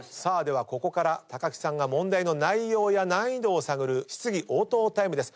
ここから木さんが問題の内容や難易度を探る質疑応答タイムです。